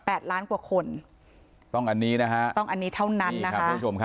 แปดล้านกว่าคนต้องอันนี้นะคะต้องอันนี้เท่านั้นนะคะ